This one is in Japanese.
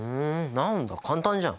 なんだ簡単じゃん。